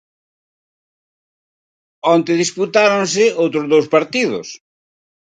Onte disputáronse outros dous partidos.